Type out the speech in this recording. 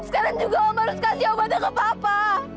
sekarang juga om harus kasih obatnya ke papa